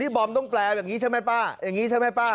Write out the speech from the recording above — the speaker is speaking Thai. บอมต้องแปลแบบนี้ใช่ไหมป้าอย่างนี้ใช่ไหมป้า